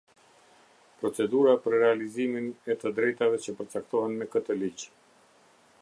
Procedura për realizimin e të drejtave, që përcaktohen me këtë ligj.